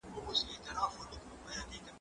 زه کولای سم واښه راوړم؟